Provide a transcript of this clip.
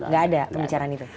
gak ada pembicaraan itu